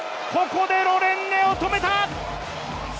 ここでロレンネを止めた！